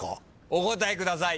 お答えください。